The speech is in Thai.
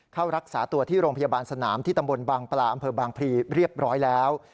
เข้ารักษาตัวที่โรงพยาบาลสนามที่ตำบลบางปลาอำเภอบางพลีเรียบร้อยแล้ว